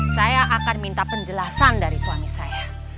saya akan minta penjelasan dari suami saya